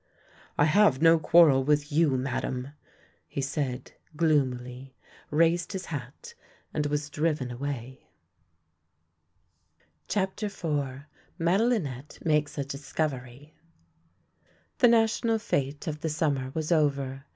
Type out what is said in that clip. I have no quarrel with you, Madame! " he said gloomily, raised his hat, and was driven away. 3 CHAPTER IV MADELINETTE MAKES A DISCOVERY THE national fete of the summer was over.